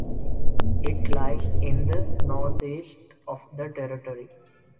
It lies in the northeast of the territory.